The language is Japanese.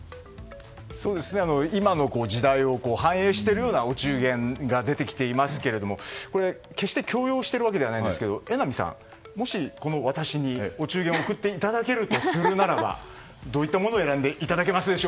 今の時代を反映しているようなお中元が出てきていますけど決して強要しているわけではないんですけど榎並さん、もし私にお中元を贈っていただけるとするならどういったものを選んでいただけますか？